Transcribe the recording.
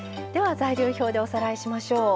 材料表でおさらいしましょう。